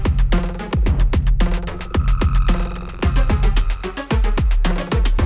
pangeran ikut dinner